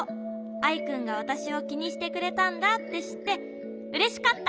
アイくんがわたしをきにしてくれたんだってしってうれしかった。